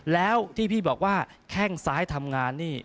แล้วที่พี่บอกว่าแข้งซ้ายทำงานนี่